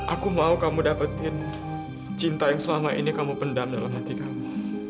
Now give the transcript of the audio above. aku mau kamu dapetin cinta yang selama ini kamu pendam dalam hati kamu